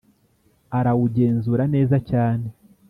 arawugenzura neza cyane